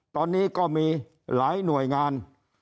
ตอนนี้ก็มีหลายหน่วยงาน